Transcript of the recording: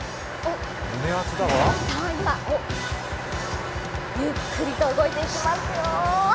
今、ゆっくりと動いていきますよ。